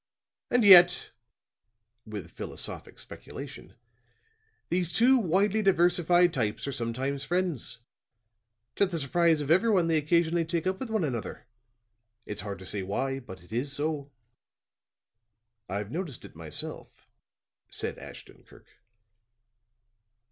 And yet," with philosophic speculation, "these two widely diversified types are sometimes friends. To the surprise of everyone they occasionally take up with one another. It's hard to say why, but it is so." "I've noticed it myself," said Ashton Kirk.